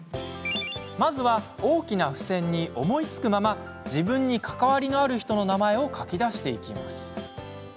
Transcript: まずは、大きな付箋に思いつくまま自分に関わりのある人の名前を書き出していきます。